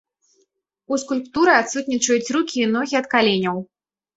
У скульптуры адсутнічаюць рукі і ногі ад каленяў.